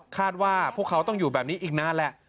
ว่าพวกเขาต้องอยู่แบบนี้อีกนานแหละ